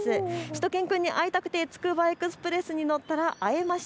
しゅと犬くんに会いたくてつくばエクスプレスに乗ったら会えました。